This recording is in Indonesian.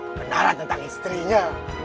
kenalan tentang istrinya